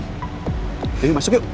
yaudah yuk masuk yuk